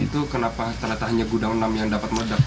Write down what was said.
itu kenapa hanya gudang enam yang dapat meledak